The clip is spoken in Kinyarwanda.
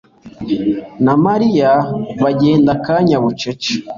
na Mariya bagenda akanya bucece.